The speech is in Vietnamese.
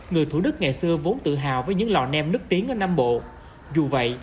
người thủ đức ngày xưa vốn tự hào với những lò nêm nứt tiếng ở nam bộ dù vậy